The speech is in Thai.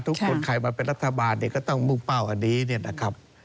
ทุกคนใครมาเป็นรัฐบาลก็ต้องมุ่งเป้าอันนี้นะครับ